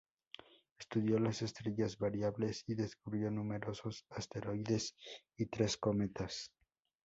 Estudió las estrellas variables y descubrió numerosos asteroides y tres cometas.